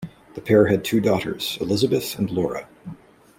The pair had two daughters, Elizabeth and Laura.